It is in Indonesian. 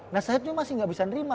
nah saya masih gak bisa nerima